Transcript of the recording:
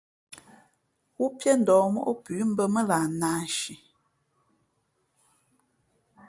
Wúpíéndα̌h móʼ pʉ̌ mbᾱ mά lah nāānshi.